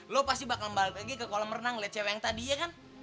lo pasti bakal balik lagi ke kolam renang liat cewek yang tadi ya kan